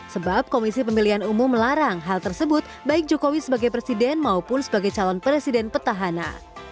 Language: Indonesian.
sebab komisi pemilihan umum melarang hal tersebut baik jokowi sebagai presiden maupun sebagai calon presiden petahana